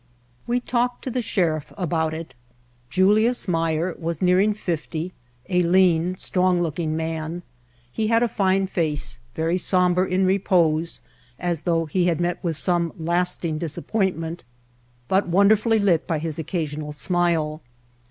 We talked to the Sheriff about it. Julius Meyer was nearing fifty, a lean, strong looking The Outfit man. He had a fine face, very somber in repose as though he had met with some lasting disap pointment, but wonderfully lit by his occasional smile.